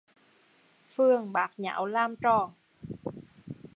Phường bát nháo làm trò